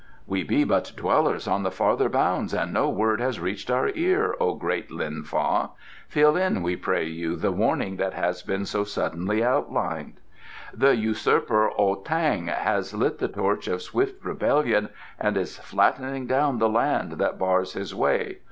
"We be but dwellers on the farther bounds and no word has reached our ear, O great Lin Fa. Fill in, we pray you, the warning that has been so suddenly outlined." "The usurper Ah tang has lit the torch of swift rebellion and is flattening down the land that bars his way.